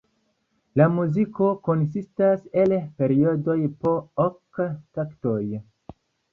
La muziko konsistas el periodoj po ok taktoj.